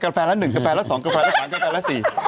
กาแฟละหนึ่งกาแฟละสองกาแฟละสามกาแฟละสี่